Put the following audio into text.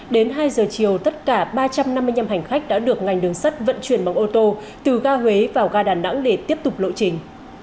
đến hai giờ chiều tất cả ba trăm năm mươi năm hành khách đã được ngành đường sắt vận chuyển bằng ô tô từ ga huế vào ga đà nẵng để tiếp tục lộ trình